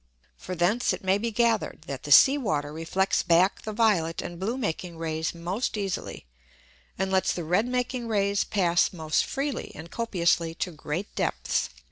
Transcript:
For thence it may be gather'd, that the Sea Water reflects back the violet and blue making Rays most easily, and lets the red making Rays pass most freely and copiously to great Depths.